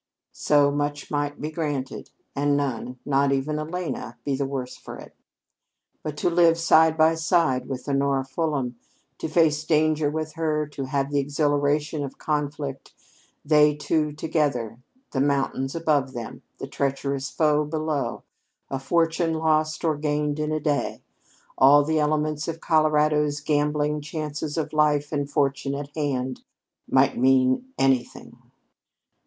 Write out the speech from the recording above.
So much might be granted and none, not even Elena, be the worse for it. But to live side by side with Honora Fulham, to face danger with her, to have the exhilaration of conflict, they two together, the mountains above them, the treacherous foe below, a fortune lost or gained in a day, all the elements of Colorado's gambling chances of life and fortune at hand, might mean anything.